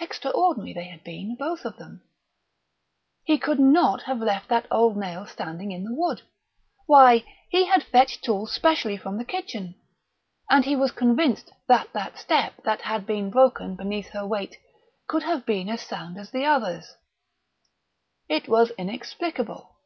Extraordinary they had been, both of them. He could not have left that old nail standing in the wood; why, he had fetched tools specially from the kitchen; and he was convinced that that step that had broken beneath her weight had been as sound as the others. It was inexplicable.